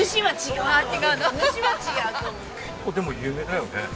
結構でも有名だよね。